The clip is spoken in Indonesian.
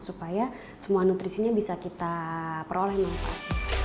supaya semua nutrisinya bisa kita peroleh manfaat